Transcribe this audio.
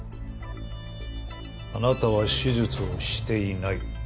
あなたは手術をしていない。